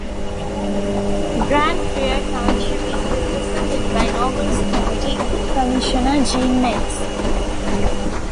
Grand Prairie Township is represented by Nobles County Commissioner Gene Metz.